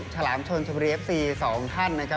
สำหรับช่วงทัศนะกีฬาไทยวันนี้นะครับ